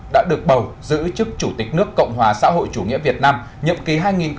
đã được bầu giữ chức chủ tịch nước cộng hòa xã hội chủ nghĩa việt nam nhậm ký hai nghìn hai mươi một hai nghìn hai mươi sáu